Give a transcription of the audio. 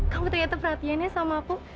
kamu ternyata perhatiannya sama aku